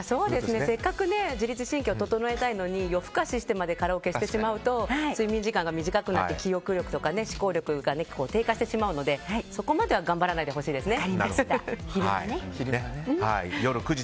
せっかく自律神経を整えたいのに夜更かししてまでカラオケしてしまうと睡眠時間が短くなって記憶力とか思考力が低下してしまうのでそこまでは頑張らないでほしいですね。